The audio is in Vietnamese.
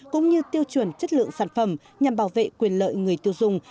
cũng như tiêu chuẩn chất lượng sản phẩm nhằm bảo vệ quyền lợi người tiêu dùng